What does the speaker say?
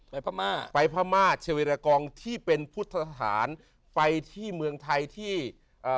พม่าไปพม่าเชเวรากองที่เป็นพุทธฐานไปที่เมืองไทยที่เอ่อ